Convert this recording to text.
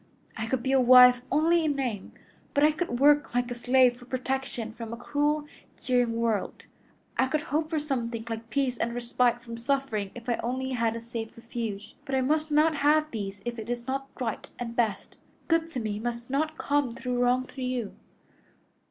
I could be a wife only in name, but I could work like a slave for protection from a cruel, jeering world; I could hope for something like peace and respite from suffering if I only had a safe refuge. But I must not have these if it is not right and best. Good to me must not come through wrong to you."